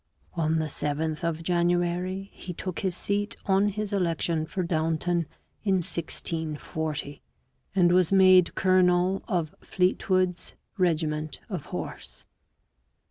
On the 7th of January he took his seat on his election for Downton in 1640, and was made colonel of Fleetwoods regiment of horse.